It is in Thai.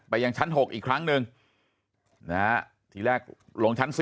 ยังชั้น๖อีกครั้งหนึ่งนะฮะทีแรกลงชั้น๔